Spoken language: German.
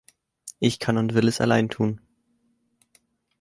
Ich kann und will es allein tun.